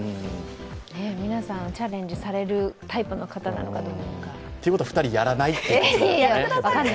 皆さん、チャレンジされるタイプの方なのかどうかということは、２人やらないということですね。